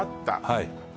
はい